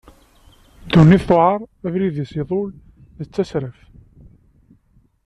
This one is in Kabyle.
Dunnit tuɛer, abrid-is iḍul d tasraft.